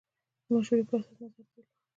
د مشورې په اساس مزار ته ولاړ.